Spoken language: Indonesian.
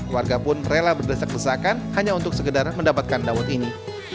warga pun rela berdesak desakan hanya untuk sekedar mendapatkan dawet ini